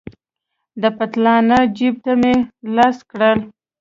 د پتلانه جيب ته مې لاس کړ.